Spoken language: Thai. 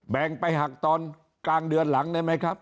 งไปหักตอนกลางเดือนหลังได้ไหมครับ